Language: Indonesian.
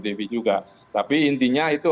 devi juga tapi intinya itu